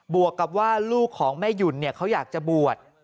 วกกับว่าลูกของแม่หยุ่นเขาอยากจะบวช